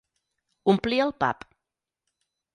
Omplir el pap.